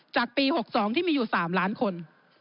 จากปี๖๒ที่มีอยู่๓ล้านคน